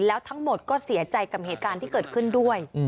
แล้วทั้งหมดก็เสียใจกับเหตุการณ์ที่เกิดขึ้นด้วย